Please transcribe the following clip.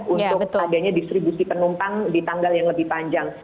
untuk adanya distribusi penumpang di tanggal yang lebih panjang